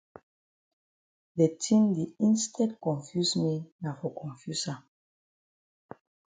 De tin di instead confuse me na for confuse am.